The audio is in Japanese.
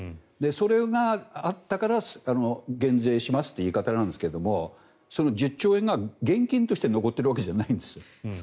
それがあったから減税しますという言い方なんですがその１０兆円が現金として残ってるわけじゃないんです。